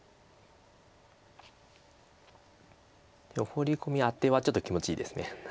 でもホウリコミアテはちょっと気持ちいいです。